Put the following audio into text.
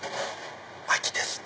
秋ですね。